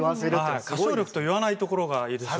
歌唱力と言わないところがいいでしょ。